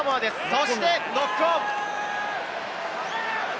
そしてノックオン。